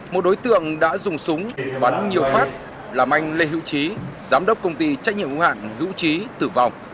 một đối tượng đã dùng súng bắn nhiều phát làm anh lê hữu trí giám đốc công ty trách nhiệm hữu hạng hữu trí tử vong